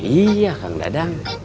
iya kang dadang